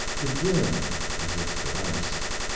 Begin is its device!